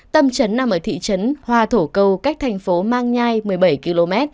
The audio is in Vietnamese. tâm trấn nằm ở thị trấn hòa thổ cầu cách thành phố mang nhai một mươi bảy km